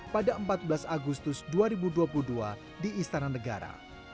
pada empat belas agustus dua ribu dua puluh dua di istana negara